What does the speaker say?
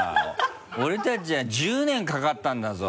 俺たちは１０年かかったんだぞ。